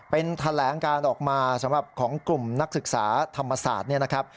เป็นแถลงการออกมาของกลุ่มนักศึกษาธรรมศาสตร์